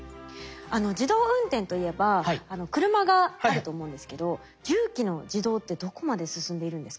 自動運転といえば車があると思うんですけど重機の自動ってどこまで進んでいるんですか？